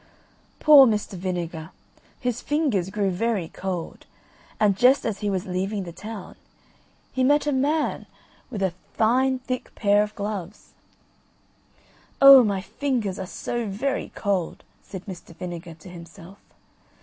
Poor Mr. Vinegar, his fingers grew very cold, and, just as he was leaving the town, he met a man with a fine thick pair of gloves. "Oh, my fingers are so very cold," said Mr. Vinegar to himself.